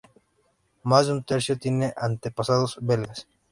Más de un tercio tiene antepasados belgas.